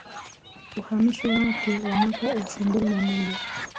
Uhamisho wake wa mwaka wa elfu mbili na moja